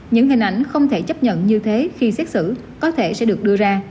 những hình ảnh không thể chấp nhận như thế khi xét xử có thể sẽ được đưa ra